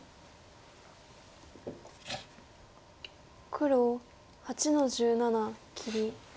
黒８の十七切り。